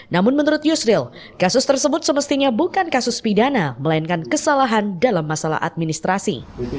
namun menurut yusril kasus tersebut semestinya bukan kasus pidana melainkan kesalahan dalam masalah administrasi